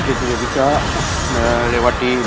kau amuk maluku